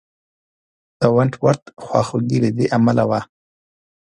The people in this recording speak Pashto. د ونټ ورت خواخوږي له دې امله وه.